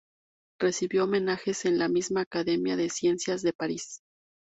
Recibió homenajes en la misma Academia de Ciencias de París.